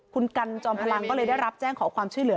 คุณกันจอมพลังก็เลยได้รับแจ้งขอความช่วยเหลือ